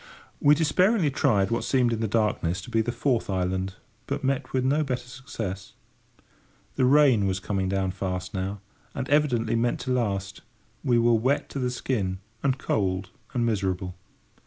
We despairingly tried what seemed in the darkness to be the fourth island, but met with no better success. The rain was coming down fast now, and evidently meant to last. We were wet to the skin, and cold and miserable.